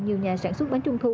nhiều nhà sản xuất bánh trung thu